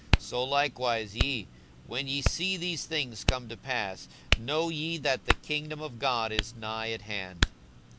42:021:031 So likewise ye, when ye see these things come to pass, know ye that the kingdom of God is nigh at hand.